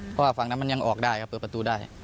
เพราะว่าฝั่งนั้นมันยังออกได้ครับเปิดประตูได้